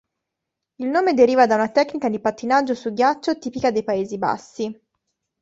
Il nome deriva da una tecnica di pattinaggio su ghiaccio tipica dei Paesi Bassi.